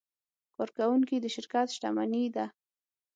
کارکوونکي د شرکت شتمني ده.